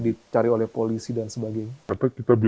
dicari oleh polisi dan sebagainya